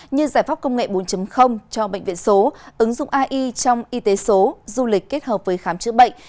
như giải pháp công nghệ bốn cho bệnh viện số ứng dụng ai trong y tế số du lịch kết hợp với khám chữa bệnh